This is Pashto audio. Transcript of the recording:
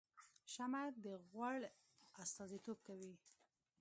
شمعه د غوړ استازیتوب کوي